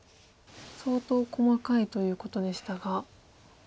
相当細かいということでしたが。